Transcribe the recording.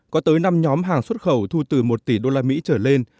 có tới năm nhóm hàng xuất khẩu thu từ một tỷ usd trở lên